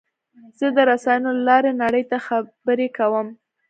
زه د رسنیو له لارې نړۍ ته خبرې کوم.